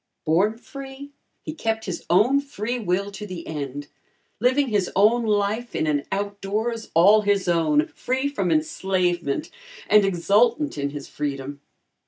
Born free, he kept his own free will to the end, living his own life in an out doors all his own, free from enslavement and exultant in his freedom.